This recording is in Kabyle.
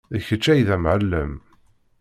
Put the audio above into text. D kečč ay d amɛellem.